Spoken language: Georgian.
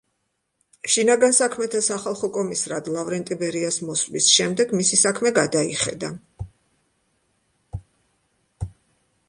შინაგან საქმეთა სახალხო კომისრად ლავრენტი ბერიას მოსვლის შემდეგ მისი საქმე გადაიხედა.